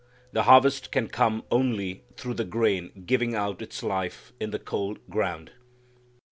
The harvest can come only through the grain giving out its life in the cold ground.